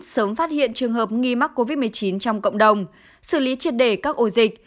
sớm phát hiện trường hợp nghi mắc covid một mươi chín trong cộng đồng xử lý triệt đề các ổ dịch